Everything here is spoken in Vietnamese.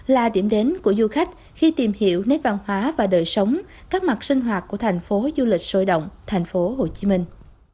là điểm đến của du khách khi tìm hiểu nét văn hóa và đời sống các mặt sinh hoạt của thành phố du lịch sôi động thành phố hồ chí minh